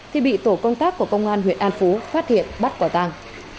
thì bị tổ công tác của công an huyện an phú phát hiện bắt quả tàng